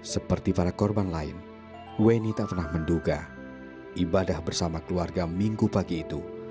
seperti para korban lain weni tak pernah menduga ibadah bersama keluarga minggu pagi itu